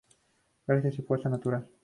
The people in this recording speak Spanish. Gracias y Fuerza Natural!